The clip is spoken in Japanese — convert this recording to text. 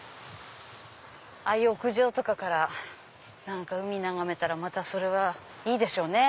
ああいう屋上とかから海眺めたらまたそれはいいでしょうね。